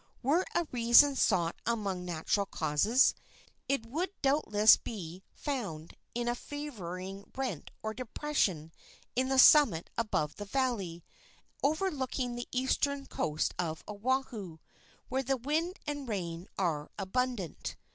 Were a reason sought among natural causes, it would doubtless be found in a favoring rent or depression in the summit above the valley, and overlooking the eastern coast of Oahu, where wind and rain are abundant.